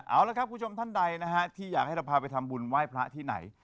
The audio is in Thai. เอาละครับคุณผู้ชมท่านใดนะฮะที่อยากให้เราพาไปทำบุญไหว้พระที่ไหน